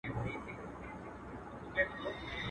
خوار په خپله خواري نه شرمېږي.